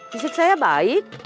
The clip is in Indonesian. fisik saya baik